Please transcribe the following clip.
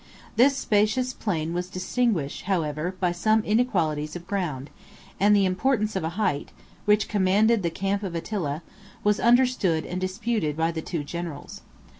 42 This spacious plain was distinguished, however, by some inequalities of ground; and the importance of a height, which commanded the camp of Attila, was understood and disputed by the two generals.